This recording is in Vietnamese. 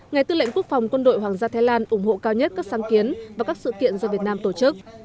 ngày tư lệnh quốc phòng quân đội hoàng gia thái lan ủng hộ cao nhất các sáng kiến và các sự kiện do việt nam tổ chức